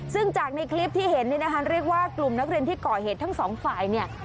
ซึ่งจากในคลิปที่เห็นนี่นะคะเรียกว่ากลุ่มนักเรียนที่ก่อเหตุทั้งสองฝ่ายเนี่ย